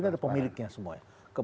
ini ada pemiliknya semua ya